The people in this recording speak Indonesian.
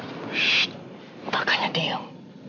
shhh tak hanya diam